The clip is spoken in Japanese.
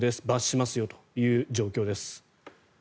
罰しますよということです。